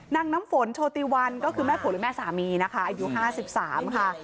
น้ำฝนโชติวันก็คือแม่ฝนและแม่สามีนะคะอายุ๕๓ค่ะ